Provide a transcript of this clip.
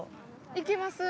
行きます？